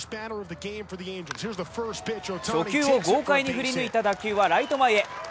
初球を豪快に振り抜いた打球はライト前へ。